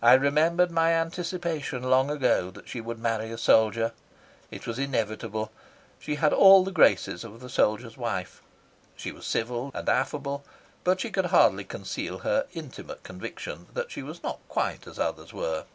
I remembered my anticipation long ago that she would marry a soldier. It was inevitable. She had all the graces of the soldier's wife. She was civil and affable, but she could hardly conceal her intimate conviction that she was not quite as others were.